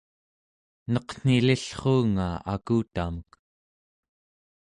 neqnilillruunga akutamek